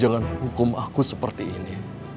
jangan hukum aku seperti ini